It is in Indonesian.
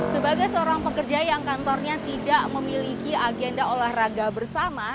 sebagai seorang pekerja yang kantornya tidak memiliki agenda olahraga bersama